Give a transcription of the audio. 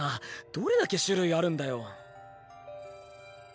どれだけ種類あるんだよ。